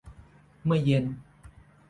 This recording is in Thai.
เมื่อเย็น